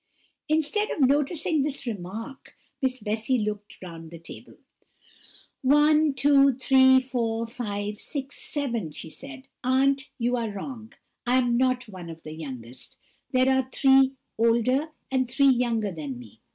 Instead of noticing this remark, Miss Bessy looked round the table. "One, two, three, four, five, six, seven," she said; "aunt, you are wrong, I am not one of the youngest; there are three older, and three younger than me.